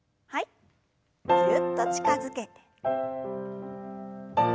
ぎゅっと近づけて。